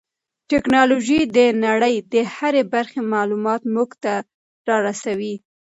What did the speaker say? ټیکنالوژي د نړۍ د هرې برخې معلومات موږ ته را رسوي.